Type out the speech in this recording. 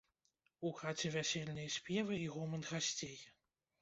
У хаце вясельныя спевы і гоман гасцей.